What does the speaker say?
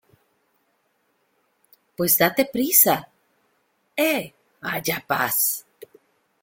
pues date prisa. ¡ eh! haya paz .